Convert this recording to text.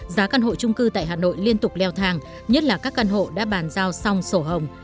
giá căn hộ trung cư tại hà nội liên tục leo thang nhất là các căn hộ đã bàn giao xong sổ hồng